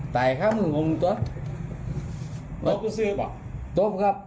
ใส่ข้าวมือผมก็ตบครับ